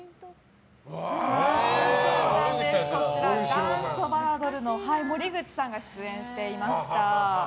元祖バラドルの森口さんが出演していました。